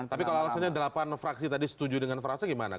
tapi kalau delapan fraksi tadi setuju dengan frase gimana